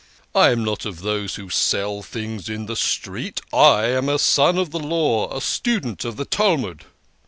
I am not of those who sell things in the streets. I am a son of the Law, a student of the Talmud."